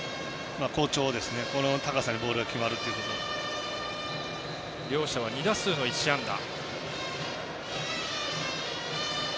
好調ですね、この高さにボールが決まるということは。両者は２打数の１安打。